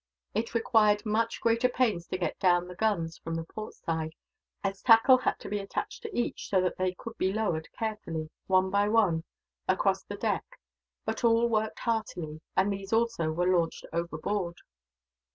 It required much greater pains to get down the guns from the port side, as tackle had to be attached to each, so that they could be lowered carefully, one by one, across the deck; but all worked heartily, and these also were launched overboard.